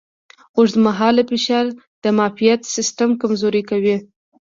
اوږدمهاله فشار د معافیت سیستم کمزوری کوي.